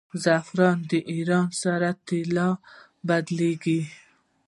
زعفران د ایران سره طلا بلل کیږي.